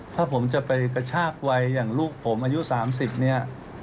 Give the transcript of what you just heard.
ถ้าผมจะไปกระชากวัยอย่างลูกผมอายุ๓๐เนี่ย